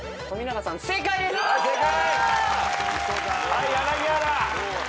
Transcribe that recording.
はい柳原。